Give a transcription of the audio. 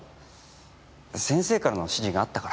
先生からの指示があったから。